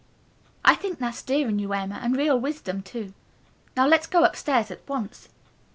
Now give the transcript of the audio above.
"I think that's dear in you, Emma, and real wisdom too. Now let's go upstairs, at once."